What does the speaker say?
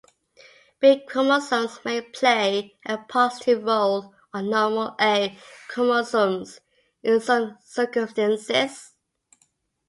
B chromosomes may play a positive role on normal A chromosomes in some circumstances.